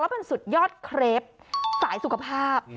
แล้วมันสุดยอดเคร็บสายสุขภาพ